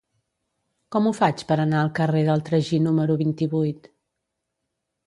Com ho faig per anar al carrer del Tragí número vint-i-vuit?